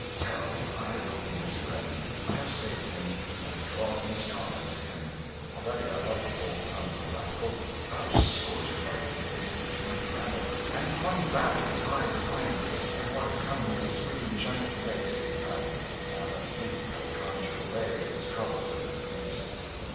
Well, I will be his friend; I have saved him, and it draweth me strongly to him; already I love the bold tongued little rascal. How soldier like he faced the smutty rabble and flung back his high defiance! And what a comely, sweet and gentle face he hath, now that sleep hath conjured away its troubles and its griefs.